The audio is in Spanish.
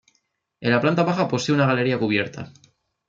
En la planta baja posee una galería cubierta.